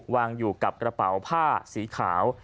วางอยู่กับกระเป๋าผ้าสีขาว